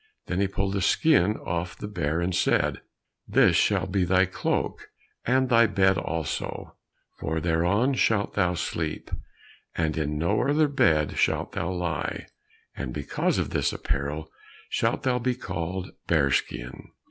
Then he pulled the skin off the bear and said, "This shall be thy cloak, and thy bed also, for thereon shalt thou sleep, and in no other bed shalt thou lie, and because of this apparel shalt thou be called Bearskin."